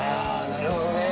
なるほどね。